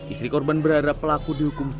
istri korban berharap pelaku dihukum